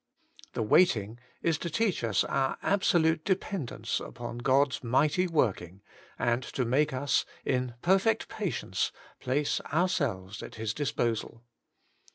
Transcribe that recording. The waiting is to teach Us our absolute dependence upon God's mighty working, and to make us in perfect patience ~^ce ourselves at His disposal.